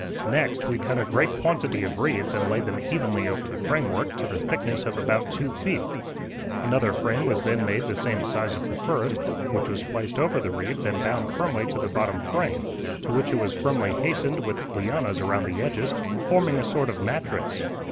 Next we cut a great quantity of reeds and laid them evenly over the frame work, to the thickness of about two feet. Another frame was then made the same size as the first, which was placed over the reeds and bound firmly to the bottom frame, to which it was firmly fastened with lianas around the edges, forming a sort of mattress.